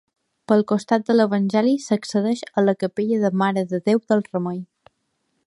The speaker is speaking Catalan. Pel costat de l'Evangeli, s'accedeix a la Capella de la Mare de Déu del Remei.